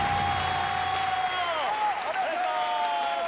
お願いします。